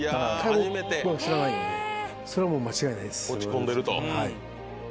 それはもう間違いないです。